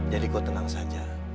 jadi kamu tenang saja